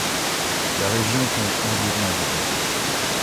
La région compte environ habitants.